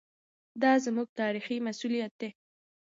دا زموږ تاریخي مسوولیت دی.